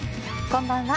こんばんは。